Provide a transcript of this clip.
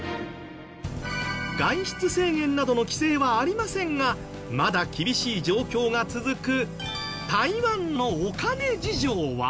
外出制限などの規制はありませんがまだ厳しい状況が続く。